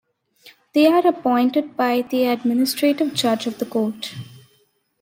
They are appointed by the administrative judge of the court.